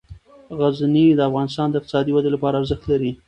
غزني د افغانستان د اقتصادي ودې لپاره ارزښت لري.